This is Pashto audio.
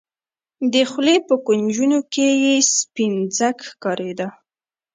د خولې په کونجونو کښې يې سپين ځګ ښکارېده.